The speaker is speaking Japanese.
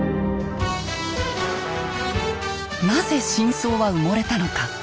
なぜ真相は埋もれたのか。